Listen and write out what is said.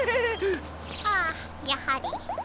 ああやはり。